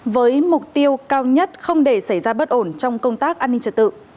với mục tiêu cao nhất không để xảy ra bất ổn trong công tác an ninh trật tự